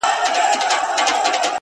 • میرو ملک سي بلوخاني سي ,